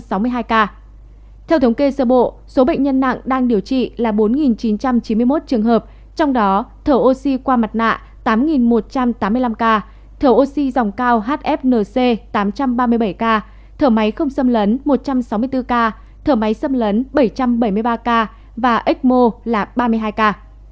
theo thống kê sơ bộ số bệnh nhân nặng đang điều trị là bốn chín trăm chín mươi một trường hợp trong đó thở oxy qua mặt nạ tám một trăm tám mươi năm ca thở oxy dòng cao hfnc tám trăm ba mươi bảy ca thở máy không xâm lấn một trăm sáu mươi bốn ca thở máy xâm lấn bảy trăm bảy mươi ba ca và ếch mô là ba mươi hai ca